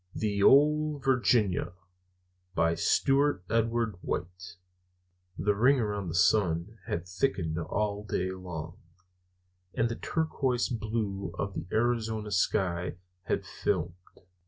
The Ole Virginia By Stewart Edward White THE ring around the sun had thickened all day long, and the turquoise blue of the Arizona sky had filmed.